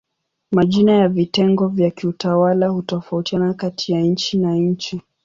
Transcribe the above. Majina ya vitengo vya kiutawala hutofautiana kati ya nchi na nchi.